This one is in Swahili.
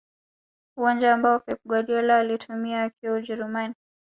uwanja ambao pep guardiola aliutumia akiwa ujerumani